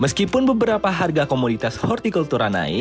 meskipun beberapa harga komoditas hortikultura naik